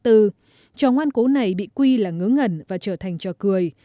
trò ngoan cố này bị quy là ngớ ngẩn và trở thành trò cười